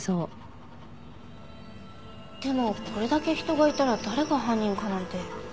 でもこれだけ人がいたら誰が犯人かなんて。